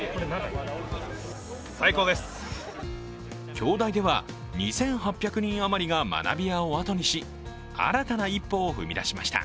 京大では２８００人余りが学舎を後にし新たな一歩を踏み出しました。